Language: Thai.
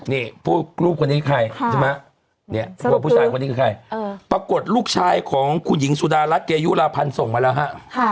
นี่รูปคนนี้คือใครถูกประกดลูกชายของคุณหญิงสุดารัตเกยุลาพันธ์ส่งมาแล้วฮะ